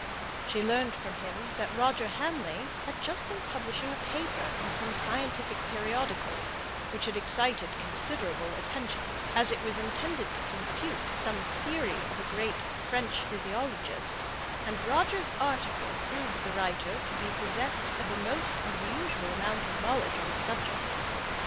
She learnt from him that Roger Hamley had just been publishing a paper in some scientific periodical, which had excited considerable attention, as it was intended to confute some theory of a great French physiologist, and Roger's article proved the writer to be possessed of a most unusual amount of knowledge on the subject.